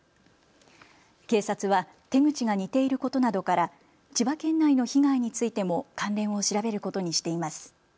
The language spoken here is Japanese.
警察は手口が似ていることなどから千葉県内の被害についても関連を調べることにしています。